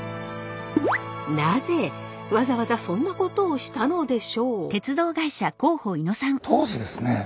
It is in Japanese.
なぜわざわざそんなことをしたのでしょう。